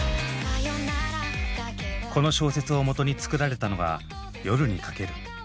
この小説をもとに作られたのが「夜に駆ける」。